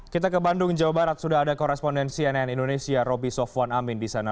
kita ke bandung jawa barat sudah ada korespondensi nn indonesia roby sofwan amin di sana